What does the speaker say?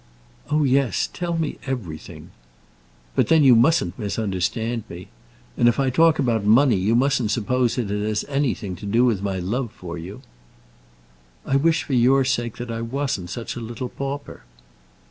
"Oh, yes, tell me everything." "But then you mustn't misunderstand me. And if I talk about money, you mustn't suppose that it has anything to do with my love for you." "I wish for your sake that I wasn't such a little pauper."